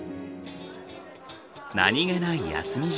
何気ない休み時間。